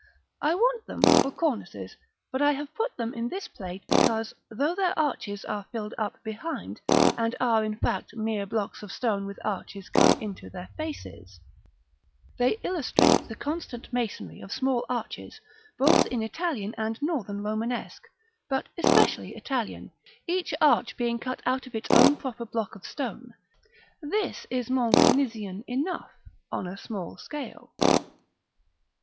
I want them for cornices; but I have put them in this plate because, though their arches are filled up behind, and are in fact mere blocks of stone with arches cut into their faces, they illustrate the constant masonry of small arches, both in Italian and Northern Romanesque, but especially Italian, each arch being cut out of its own proper block of stone: this is Mont Cenisian enough, on a small scale.